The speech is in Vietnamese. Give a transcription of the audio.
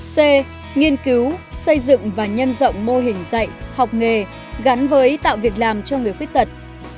c nghiên cứu xây dựng và nhân rộng mô hình dạy học nghề gắn với tạo việc làm cho người khuyết tật